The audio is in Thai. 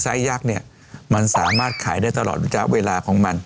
ยักษ์เนี่ยมันสามารถขายได้ตลอดระยะเวลาของมัน